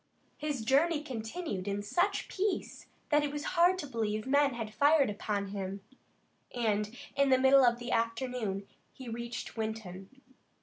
His journey continued in such peace that it was hard to believe men had fired upon him, and in the middle of the afternoon he reached Winton.